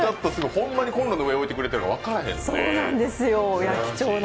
ホンマにコンロの上に置いてくれてるから、分からへんね。